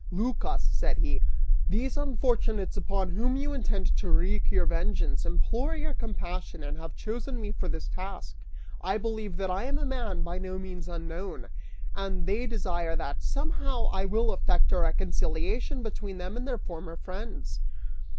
("Lycas," said he, "these unfortunates upon whom you intend to wreak your vengeance, implore your compassion and) have chosen me for this task. I believe that I am a man, by no means unknown, and they desire that, somehow, I will effect a reconciliation between them and their former friends.